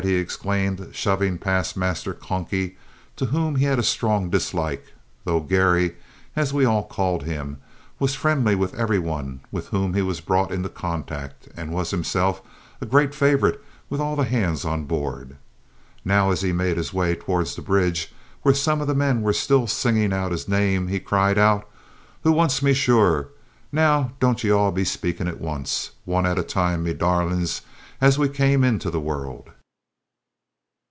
he exclaimed, shoving past Master "Conky," to whom he had a strong dislike, though "Garry," as we all called him, was friendly with every one with whom he was brought in contact, and was, himself, a great favourite with all the hands on board. Now, as he made his way towards the bridge, where some of the men were still singing out his name, he cried out, "Who wants me, sure? Now, don't ye be all spaking at once; one at a time, me darlints, as we all came into the wurrld!"